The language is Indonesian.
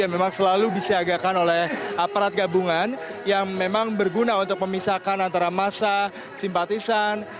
yang memang selalu disiagakan oleh aparat gabungan yang memang berguna untuk memisahkan antara masa simpatisan